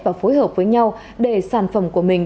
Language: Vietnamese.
và phối hợp với nhau để sản phẩm của mình